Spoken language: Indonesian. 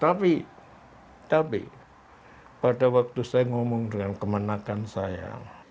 tapi tapi pada waktu saya ngomong dengan kemenangan saya